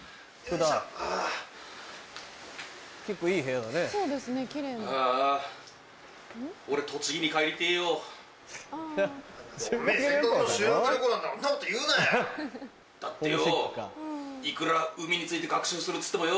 だってよ